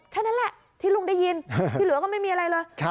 แค่นั้นแหละที่ลุงได้ยินที่เหลือก็ไม่มีอะไรเลย